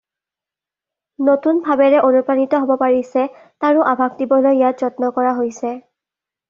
নতুন ভাবেৰে অনুপ্ৰাণিত হ'ব পাৰিছে তাৰো আভাস দিবলৈ ইয়াত যত্ন কৰা হৈছে।